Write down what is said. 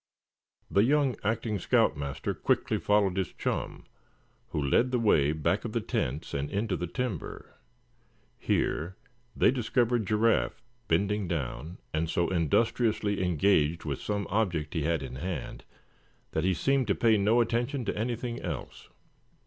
The young acting scout master quickly followed his chum, who led the way back of the tents and into the timber. Here they discovered Giraffe, bending down, and so industriously engaged with some object he had in hand that he seemed to pay no attention to anything else.